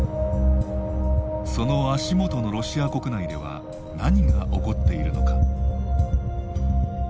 その足元のロシア国内では何が起こっているのか。